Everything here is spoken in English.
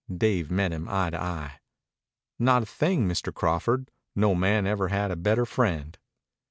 Dave met him eye to eye. "Not a thing, Mr. Crawford. No man ever had a better friend."